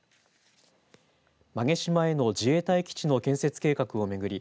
馬毛島への自衛隊基地の建設計画を巡り